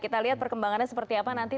kita lihat perkembangannya seperti apa nanti